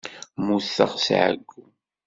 Mmuteɣ s ɛeyyu.